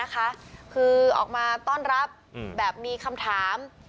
คือออกมาต้อนรับแบบมีคำถาม